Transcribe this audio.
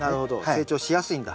成長しやすいんだ。